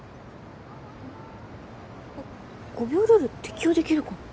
あっ５秒ルール適用できるか。